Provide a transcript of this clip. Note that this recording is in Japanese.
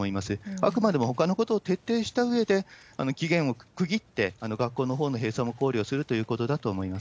あくまでもほかのことを徹底したうえで、期限を区切って、学校のほうの閉鎖も考慮するということだと思います。